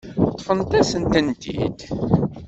Ṭṭfent-asent-tent-id.